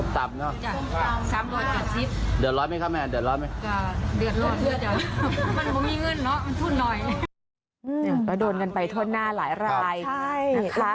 เจ๊โดนอะไรไหมครับ